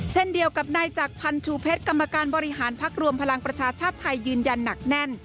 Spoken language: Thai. เช่นเดียวกับนายจักรพันธ์ชูเพชรกรรมการบริหารพักรวมพลังประชาชาติไทยยืนยันหนักแน่น